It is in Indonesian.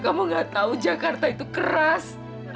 kamu gak tahu jakarta itu keras